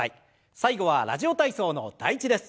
最後は「ラジオ体操」の第１です。